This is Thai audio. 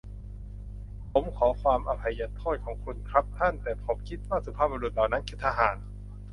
ผมขอความอภัยโทษของคุณครับท่าน แต่ผมคิดว่าสุภาพบุรุษเหล่านั้นคือทหาร ?